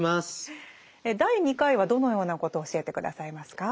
第２回はどのようなことを教えて下さいますか？